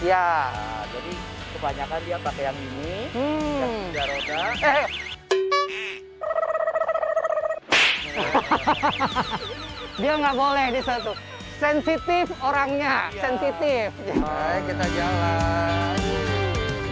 ya jadi kebanyakan dia pakai yang ini dia nggak boleh di satu sensitif orangnya sensitif baik kita jalan